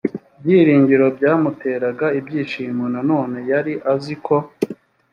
byiringiro byamuteraga ibyishimo nanone yari azi ko